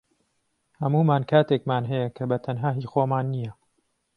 هەموومان کاتێکمان هەیە کە بەتەنها هی خۆمان نییە